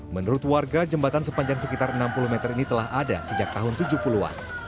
menurut warga jembatan sepanjang sekitar enam puluh meter ini telah ada sejak tahun tujuh puluh an